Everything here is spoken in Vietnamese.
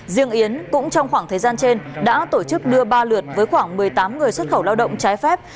riêng yến cũng trong khoảng thời gian trên đã tổ chức đưa ba lượt với khoảng một mươi tám người xuất khẩu lao động trái phép